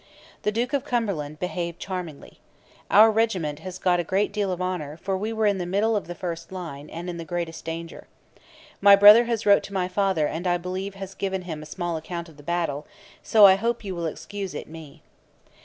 The Duke of Cumberland behaved charmingly. Our regiment has got a great deal of honour, for we were in the middle of the first line, and in the greatest danger. My brother has wrote to my father and I believe has given him a small account of the battle, so I hope you will excuse it me.